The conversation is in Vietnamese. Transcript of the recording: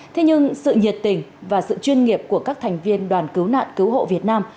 thế nhưng sự nhiệt tình và sự chuyên nghiệp của các thành viên đoàn cứu nạn cứu hộ việt nam